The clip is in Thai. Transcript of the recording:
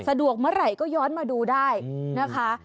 สะดวกเมื่อไหร่ก็ย้อนมาดูได้นะคะ